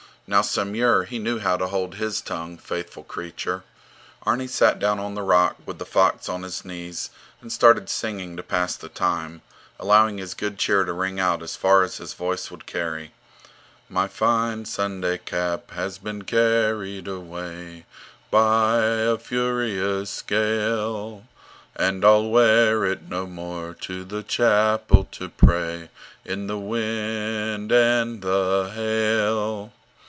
Now Samur, he knew how to hold his tongue, faithful creature! Arni sat down on the rock, with the fox on his knees, and started singing to pass the time, allowing his good cheer to ring out as far as his voice would carry: My fine Sunday cap has been carried away By a furious gale; And I'll wear it no more to the chapel to pray In the wind and the hail.